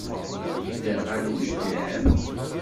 D iderɣalen i tellam?